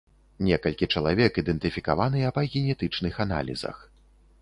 Некалькі чалавек ідэнтыфікаваныя па генетычных аналізах.